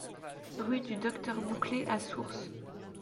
Rue du Docteur Bouclet à Sours